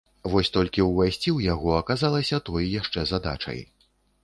Вось толькі ўвайсці ў яго аказалася той яшчэ задачай.